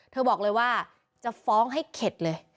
บอกเลยว่าจะฟ้องให้เข็ดเลย